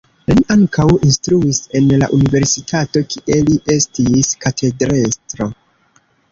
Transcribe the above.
Li ankaŭ instruis en la universitato, kie li estis katedrestro.